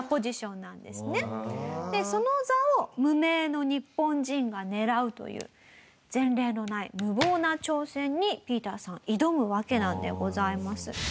その座を無名の日本人が狙うという前例のない無謀な挑戦にＰＩＥＴＥＲさん挑むわけなんでございます。